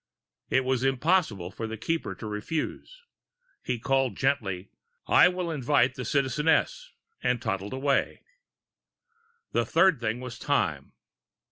It was impossible for the Keeper to refuse. He called gently, "I will invite the Citizeness," and toddled away. The third thing was time.